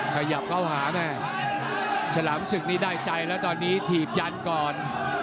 ขยับเข้าหาแม่ฉลามศึกนี่ได้ใจแล้วตอนนี้ถีบยันก่อน